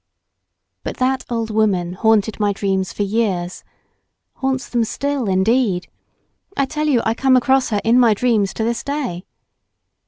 But that old woman haunted my dreams for years——haunts them still indeed. I tell you I come across her in my dreams to this day.